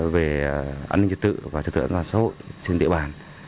về an ninh trực tự và trực tượng và xã hội trên địa bàn